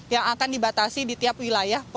yang akan dibatasi di tiap wilayah